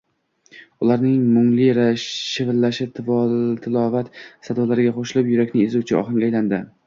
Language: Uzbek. Ularning mungli shivirlashi tilovat sadolariga qo‘shilib, yurakni ezuvchi ohangga aylanadi.